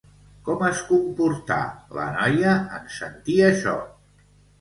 Com es comportà, la noia, en sentir això?